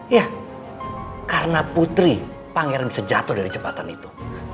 ya karena putri pangeran bisa jatuh dari jembatan itu